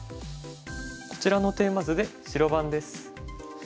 こちらのテーマ図で白番です。